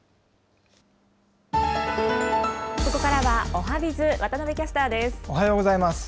ここからはおはＢｉｚ、おはようございます。